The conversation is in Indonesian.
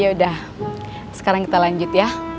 yaudah sekarang kita lanjut ya